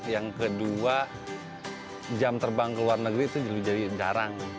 yang kedua jam terbang ke luar negeri itu jadi jarang